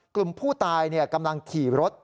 กลุ่มผู้ตายกำลังขี่รถ